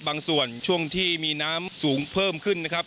บางส่วนช่วงที่มีน้ำสูงเพิ่มขึ้นนะครับ